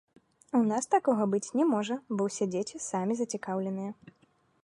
У нас такога быць не можа, бо ўсе дзеці самі зацікаўленыя.